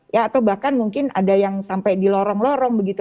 ya atau bahkan mungkin ada yang sampai di lorong lorong begitu